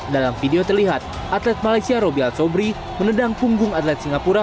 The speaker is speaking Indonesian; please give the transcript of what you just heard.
dalam video terlihat atlet malaysia roby al sobri menendang punggung atlet singapura